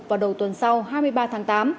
vào đầu tuần sau hai mươi ba tháng tám